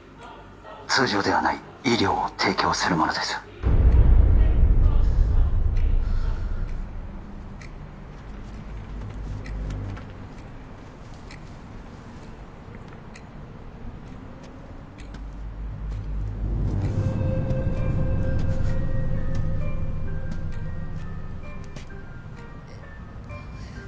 通常ではない医療を提供する者ですえっ